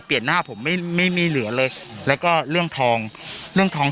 หน้าผมไม่ไม่มีเหลือเลยแล้วก็เรื่องทองเรื่องทอง